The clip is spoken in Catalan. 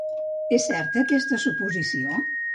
És certa, aquesta suposició?